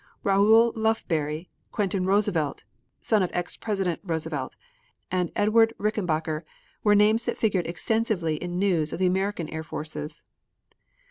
Raoul Lufberry, Quentin Roosevelt, son of ex President Roosevelt, and Edward Rickenbacher were names that figured extensively in news of the American air forces.